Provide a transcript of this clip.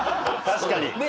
確かに。